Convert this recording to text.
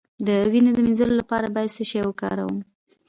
د وینې د مینځلو لپاره باید څه شی وکاروم؟